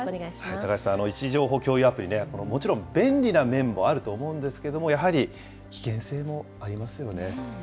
高橋さん、位置情報共有アプリね、もちろん、便利な面もあると思うんですけれども、やはり危険性もありますよね。